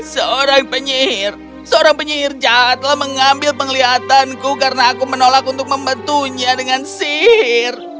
seorang penyihir seorang penyihir jahat telah mengambil penglihatanku karena aku menolak untuk membantunya dengan sihir